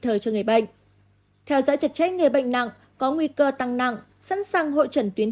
thời cho người bệnh theo dõi chật trách người bệnh nặng có nguy cơ tăng nặng sẵn sàng hội trận tuyến